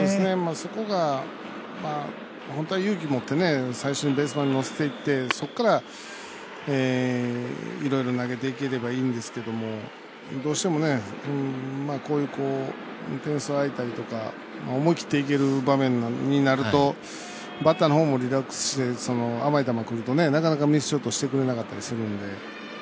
そこが本当は勇気持って最初にベース板にのせていってそこからいろいろ投げていければいいんですけども、どうしてもこういう点数あいたりとか思い切っていける場面になるとバッターのほうもリラックスして甘い球くるとなかなかミスショットしてくれなかったりするんで。